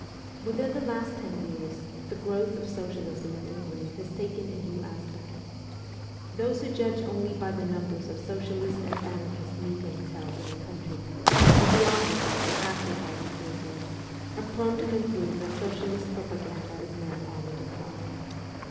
Within the last ten years the growth of socialism in England has taken a new aspect. Those who judge only by the numbers of socialist and anarchist meetings held in the country, and the audiences attracted by these meetings, are prone to conclude that socialist propaganda is now on the decline.